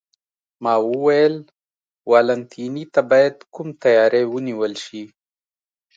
ما وویل: والنتیني ته باید کوم تیاری ونیول شي؟